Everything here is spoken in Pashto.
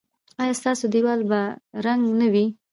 ایا ستاسو دیوال به رنګ نه وي؟